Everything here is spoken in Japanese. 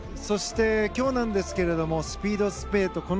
そして今日ですがスピードスケート